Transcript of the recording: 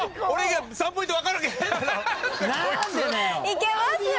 いけますよ。